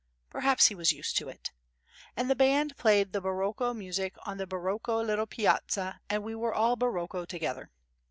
Perhaps he was used to it. And the band played the barocco music on the barocco little piazza and we were all barocco together.